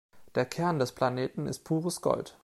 Der Kern des Planeten ist pures Gold.